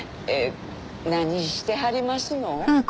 何してはりますの？